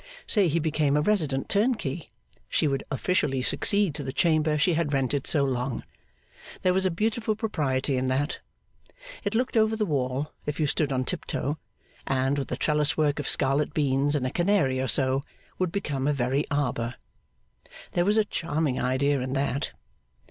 Say he became a resident turnkey. She would officially succeed to the chamber she had rented so long. There was a beautiful propriety in that. It looked over the wall, if you stood on tip toe; and, with a trellis work of scarlet beans and a canary or so, would become a very Arbour. There was a charming idea in that.